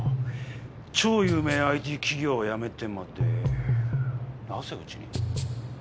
超有名ＩＴ企業を辞めてまでなぜうちに？